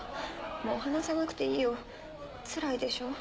もう話さなくていいよつらいでしょ？